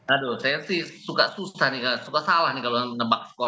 aduh saya sih suka susah suka salah kalau menyebabkan skor